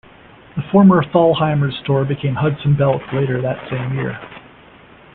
The former Thalhimer's store became Hudson Belk later that same year.